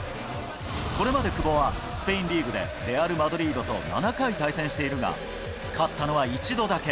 これまで久保は、スペインリーグでレアル・マドリードと７回対戦しているが、勝ったのは一度だけ。